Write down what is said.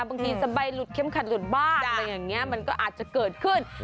บางทีสบายหลุดเข้มขัดหลุดบ้างมันก็อาจจะเกิดขึ้น